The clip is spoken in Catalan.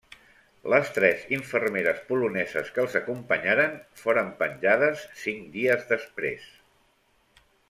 Les tres infermeres poloneses que els acompanyaren foren penjades cinc dies després.